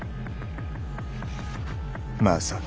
まさか。